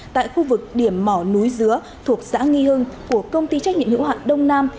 tại khu vực điểm mỏ núi dứa thuộc xã nghi hưng của công ty trách nhiệm hữu hạn đông nam